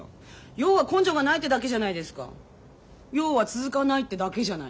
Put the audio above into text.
要は続かないってだけじゃないですか。